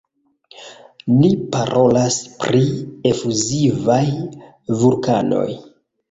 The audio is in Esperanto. Ni parolas pri efuzivaj vulkanoj.